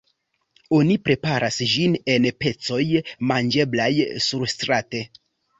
Oni preparas ĝin en pecoj manĝeblaj surstrate.